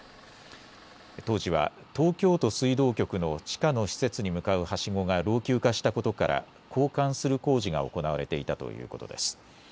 当時は東京都水道局の地下の施設に向かうはしごが老朽化したことから交換する工事が行われていたということです。